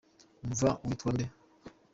Umva witwa nde?